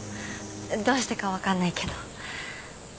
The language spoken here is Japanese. どうしてか分かんないけど。